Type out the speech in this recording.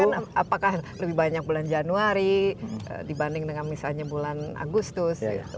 tapi mereka kan apakah lebih banyak bulan januari dibanding dengan misalnya bulan agustus